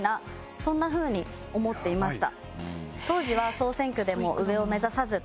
そんな風に思っていました。